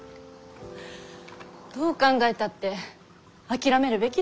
どう考えたって諦めるべきだよ。